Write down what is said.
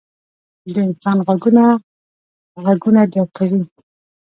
• د انسان غوږونه ږغونه درک کوي.